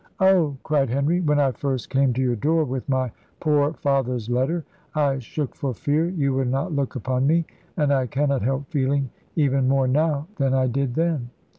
"Oh!" cried Henry, "when I first came to your door with my poor father's letter, I shook for fear you would not look upon me; and I cannot help feeling even more now than I did then."